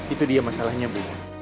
itu dia masalahnya bu